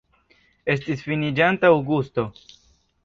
Estis finiĝanta aŭgusto.